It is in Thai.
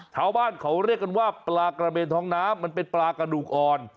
ชาวบ้านเขาเรียกกันว่าปลากระเบนท้องน้ำมันเป็นปลากระดูกอ่อน